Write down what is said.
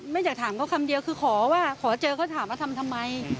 แม่จะถามก็คำเดียวคือขอเจอก็ถามว่าทำทำไม